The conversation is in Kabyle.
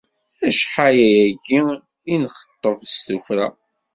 Acḥal ayagi i la nxeṭṭeb s tuffra.